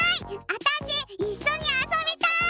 あたしいっしょにあそびたい！